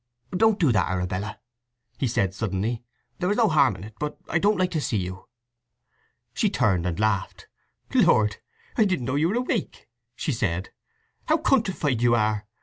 "Don't do that, Arabella!" he said suddenly. "There is no harm in it, but—I don't like to see you." She turned and laughed. "Lord, I didn't know you were awake!" she said. "How countrified you are!